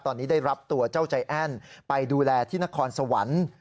ตอนนี้ได้รับตัวเจ้าใจแอ้นไปดูแลที่นครสวรรค์